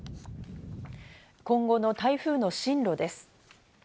今後の台風の進路です。